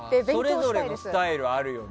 それぞれのスタイルあるよね